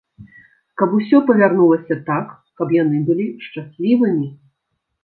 Каб усё павярнулася так, каб яны былі шчаслівымі.